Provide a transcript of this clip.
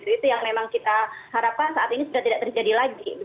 itu yang memang kita harapkan saat ini sudah tidak terjadi lagi